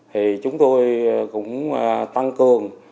thì chúng tôi cũng tăng cường